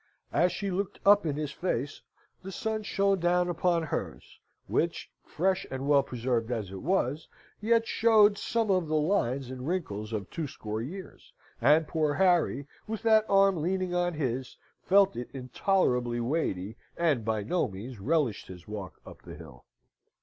As she looked up in his face, the sun shone down upon hers, which, fresh and well preserved as it was, yet showed some of the lines and wrinkles of twoscore years; and poor Harry, with that arm leaning on his, felt it intolerably weighty, and by no means relished his walk up the hill.